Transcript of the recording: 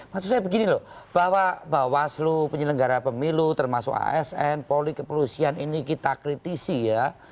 maksud saya begini loh bahwa bawaslu penyelenggara pemilu termasuk asn polri kepolisian ini kita kritisi ya